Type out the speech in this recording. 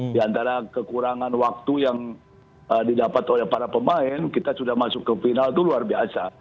di antara kekurangan waktu yang didapat oleh para pemain kita sudah masuk ke final itu luar biasa